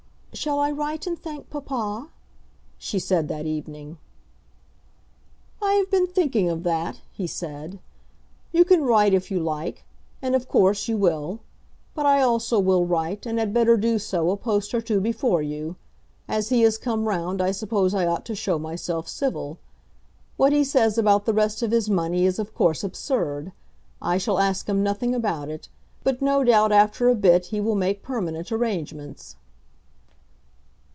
"Shall I write and thank papa?" she said that evening. "I have been thinking of that," he said. "You can write if you like, and of course you will. But I also will write, and had better do so a post or two before you. As he has come round I suppose I ought to show myself civil. What he says about the rest of his money is of course absurd. I shall ask him nothing about it, but no doubt after a bit he will make permanent arrangements."